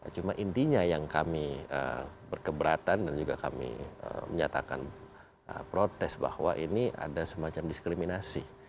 cuma intinya yang kami berkeberatan dan juga kami menyatakan protes bahwa ini ada semacam diskriminasi